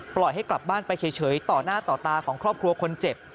ให้กลับบ้านไปเฉยต่อหน้าต่อตาของครอบครัวคนเจ็บ